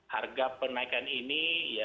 harga penaikan ini